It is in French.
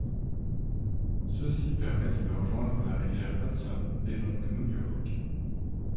Ceux-ci permettent de rejoindre la rivière Hudson, et donc New-York.